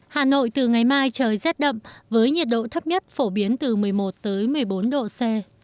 hà nội từ ngày mai trời rét đậm với nhiệt độ thấp nhất phổ biến từ một mươi một tới một mươi bốn độ c